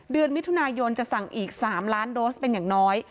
เดือนมิถุนายนจะสั่งอีก๓ล้านโดสเป็นอย่างน้อย